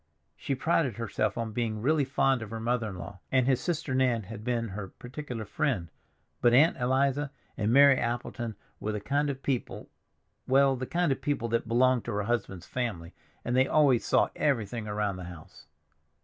She prided herself on being really fond of her mother in law, and his sister Nan had been her particular friend, but Aunt Eliza and Mary Appleton were the kind of people—well, the kind of people that belonged to her husband's family, and they always saw everything around the house.